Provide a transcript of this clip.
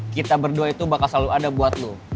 kita berdua itu bakal selalu ada buat lo